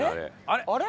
あれ。